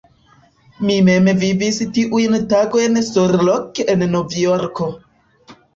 Mi mem vivis tiujn tagojn surloke en Novjorko.